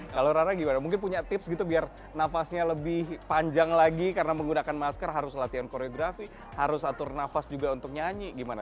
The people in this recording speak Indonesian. kalau rara gimana mungkin punya tips gitu biar nafasnya lebih panjang lagi karena menggunakan masker harus latihan koreografi harus atur nafas juga untuk nyanyi gimana